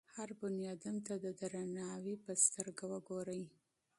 هر انسان ته د درناوي په سترګه وګورئ.